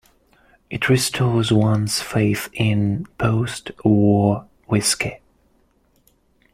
It restores one's faith in post-war whisky.